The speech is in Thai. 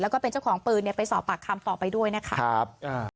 แล้วก็เป็นเจ้าของปืนเนี่ยไปสอบปากคำต่อไปด้วยนะคะครับ